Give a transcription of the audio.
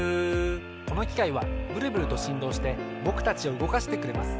このきかいはブルブルとしんどうしてぼくたちをうごかしてくれます。